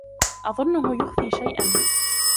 أظنّهُ يخفي شيئًا.